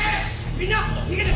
みんな逃げて！